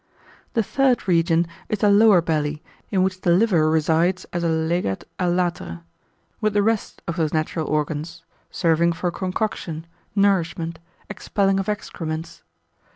The third region is the lower belly, in which the liver resides as a Legat a latere, with the rest of those natural organs, serving for concoction, nourishment, expelling of excrements.